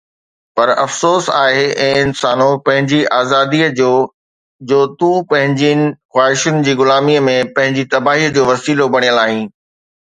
پر افسوس آهي اي انسانو پنهنجي آزاديءَ تي جو تون پنهنجين خواهشن جي غلاميءَ ۾ پنهنجي تباهيءَ جو وسيلو بڻيل آهين.